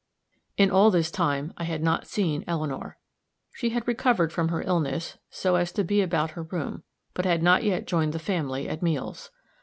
In all this time I had not seen Eleanor. She had recovered from her illness, so as to be about her room, but had not yet joined the family at meals.